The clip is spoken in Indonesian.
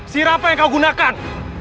si rafa yang kau gunakan